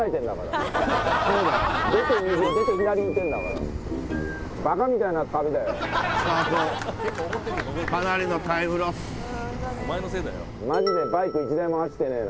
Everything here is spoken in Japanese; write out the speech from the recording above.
そうだよマジでバイク１台も走ってねえな